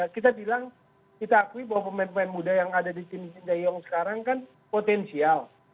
kita bilang kita akui bahwa pemain pemain muda yang ada di tim sinteyong sekarang kan potensial